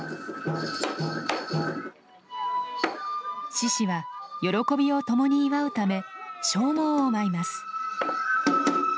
獅子は喜びを共に祝うため「鐘舞」を舞います。